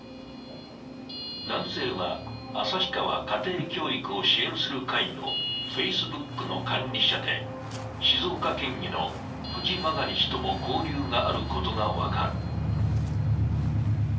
男性は、旭川家庭教育を支援する会のＦａｃｅｂｏｏｋの管理者で、静岡県議の藤曲氏とも交流があることが分かる。